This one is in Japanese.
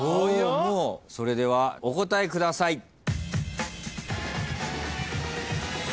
それではお答えください。